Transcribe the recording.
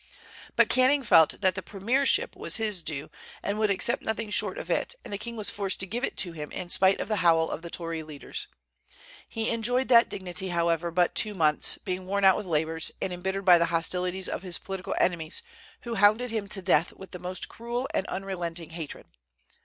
But Canning felt that the premiership was his due, and would accept nothing short of it, and the king was forced to give it to him in spite of the howl of the Tory leaders. He enjoyed that dignity, however, but two months, being worn out with labors, and embittered by the hostilities of his political enemies, who hounded him to death with the most cruel and unrelenting hatred.